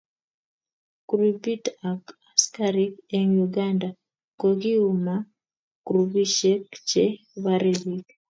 Grupit ak askarik eng Uganda kokiuma grupishek che bare bik.